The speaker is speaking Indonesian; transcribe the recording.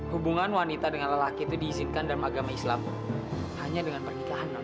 hubungan wanita dengan lelaki itu diizinkan dalam agama islam hanya dengan pernikahan